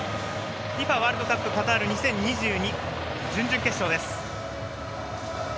ＦＩＦＡワールドカップカタール２０２２、準々決勝です。